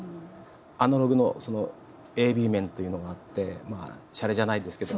アナログのそのＡＢ面というのがあってまあシャレじゃないですけど。